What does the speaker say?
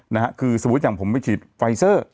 นะฮะคือสมมุติอย่างผมไปฉีดไฟเซอร์